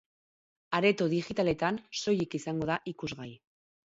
Areto digitaletan soilik izango da ikusgai.